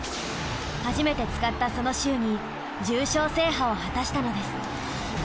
初めて使ったその週に重賞制覇を果たしたのです。